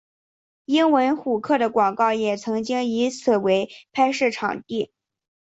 英文虎报的广告也曾经以此为拍摄场地。